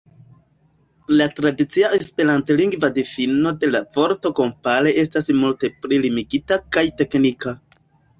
La tradicia esperantlingva difino de la vorto kompare estas multe pli limigita kaj teknika.